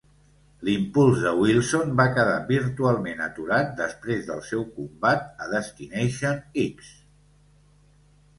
L'impuls de Wilson va quedar virtualment aturat després del seu combat a Destination X.